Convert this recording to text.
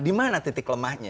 di mana titik lemahnya